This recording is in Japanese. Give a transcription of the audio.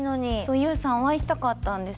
ＹＯＵさんお会いしたかったんです。